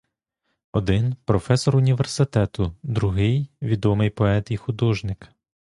Один — професор університету, другий — відомий поет і художник.